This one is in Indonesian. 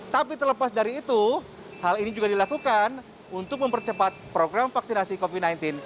tapi terlepas dari itu hal ini juga dilakukan untuk mempercepat program vaksinasi covid sembilan belas